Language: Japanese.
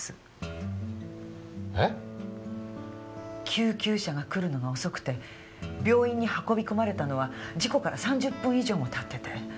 救急車が来るのが遅くて病院に運び込まれたのは事故から３０分以上も経ってて。